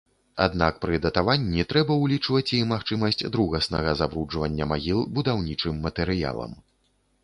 Аднак пры датаванні трэба ўлічваць і магчымасць другаснага забруджвання магіл будаўнічым матэрыялам.